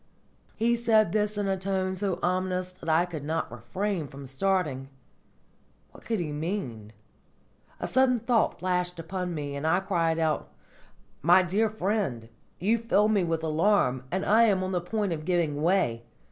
He said this in a tone so ominous that I could not refrain from starting. What could he mean? A sudden thought flashed upon me, and I cried aloud: "My dear friend, you fill me with alarm, and I am on the point of giving way!